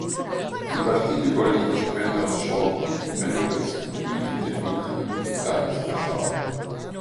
I partiti politici vennero sciolti e vennero istituiti tribunali militari speciali.